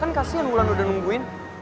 kan kasian bulan udah nungguin